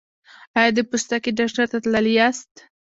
ایا د پوستکي ډاکټر ته تللي یاست؟